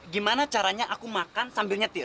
gimana caranya aku makan sambil nyetir